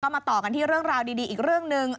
มาต่อกันที่เรื่องราวดีอีกเรื่องหนึ่ง